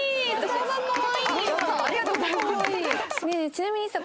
ちなみにさ